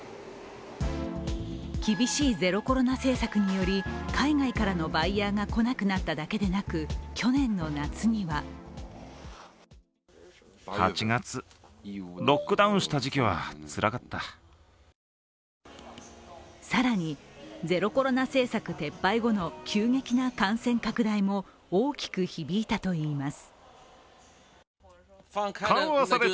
厳しいゼロコロナ政策により、海外からのバイヤーが来なくなっただけではなく去年の夏には更にゼロコロナ政策撤廃後の急激な感染拡大も大きく響いたといいます。